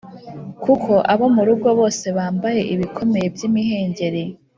Kuko abo mu rugo bose bambaye ibikomeye by’imihengeri